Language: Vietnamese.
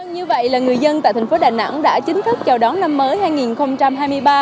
như vậy là người dân tại thành phố đà nẵng đã chính thức chào đón năm mới hai nghìn hai mươi ba